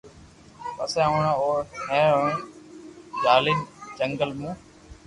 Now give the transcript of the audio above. پسي اوڻي او ھيرن ني جالين جنگل مون